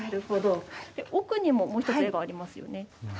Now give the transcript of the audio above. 奥にももう１つ絵がありますね。